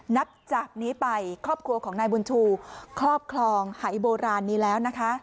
นับจากนี้ไปครอบครัวของนายบุญชูครอบครองหายโบราณนี้แล้วนะคะ